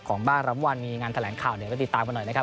บ้านรำวันมีงานแถลงข่าวเดี๋ยวก็ติดตามกันหน่อยนะครับ